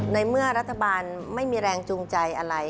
ในเมื่อรัฐบาลไม่มีแรงจูงใจอะไร